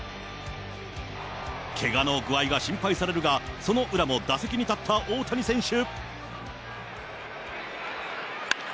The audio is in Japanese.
けがの具合が心配されるが、その裏も打席に立った大谷選手。